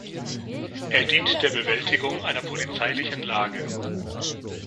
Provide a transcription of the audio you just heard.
Er dient der Bewältigung einer polizeilichen Lage.